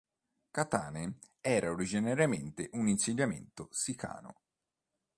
Katane era originariamente un insediamento sicano.